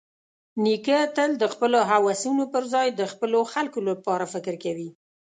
نیکه تل د خپلو هوسونو پرځای د خپلو خلکو لپاره فکر کوي.